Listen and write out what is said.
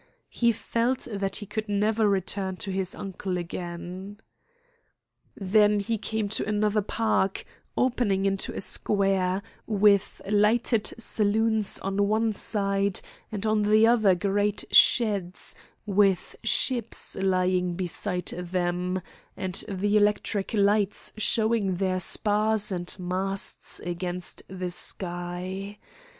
He felt that he could never return to his uncle again. Then he came to another park, opening into a square, with lighted saloons on one side, and on the other great sheds, with ships lying beside them, and the electric lights showing their spars and masts against the sky.